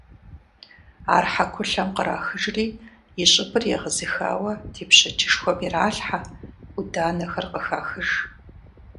Ар хьэкулъэм кърахыжри, и щӀыбыр егъэзыхауэ тепщэчышхуэм иралъхьэ, Ӏуданэхэр къыхахыж.